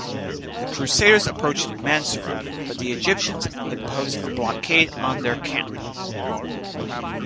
The crusaders approached Mansurah, but the Egyptians imposed a blockade on their camp.